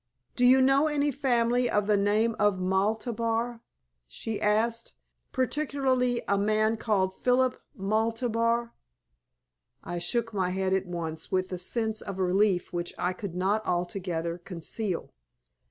"Do you know any family of the name of Maltabar?" she asked "particularly a man called Philip Maltabar?" I shook my head at once with a sense of relief which I could not altogether conceal.